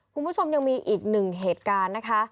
คุณผู้ชมยังมีอีกหนึ่งเหตุการณ์นะคะ